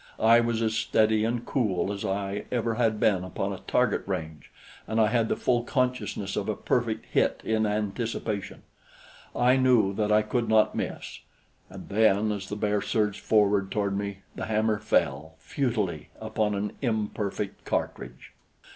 I was as steady and cool as I ever had been upon a target range, and I had the full consciousness of a perfect hit in anticipation; I knew that I could not miss. And then, as the bear surged forward toward me, the hammer fell futilely, upon an imperfect cartridge.